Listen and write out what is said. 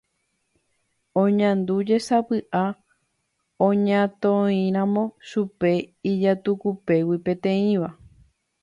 Oñandújesapy'a oñatõiramo chupe ijatukupégui peteĩva.